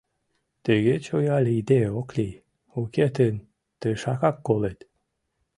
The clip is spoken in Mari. Тыге чоя лийде ок лий, уке тын тышакак колет.